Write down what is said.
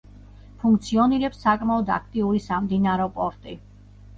ფუნქციონირებს საკმაოდ აქტიური სამდინარო პორტი.